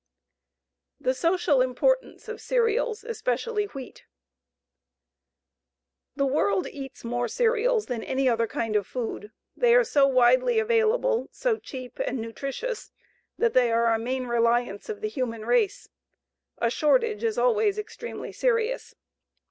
THE SOCIAL IMPORTANCE OF CEREALS, ESPECIALLY WHEAT The world eats more cereals than any other kind of food. They are so widely available, so cheap and nutritious, that they are a main reliance of the human race. A shortage is always extremely serious.